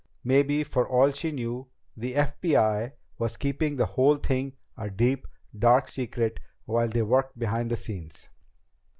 Maybe, for all she knew, the FBI was keeping the whole thing a deep, dark secret while they worked behind the scenes.